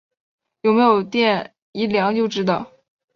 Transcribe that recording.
有没有电一量就知道